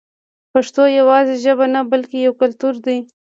پښتو یوازې ژبه نه بلکې یو کلتور دی.